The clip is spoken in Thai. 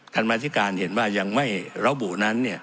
การบรรทิการเห็นว่ายังไม่ระบบนั้น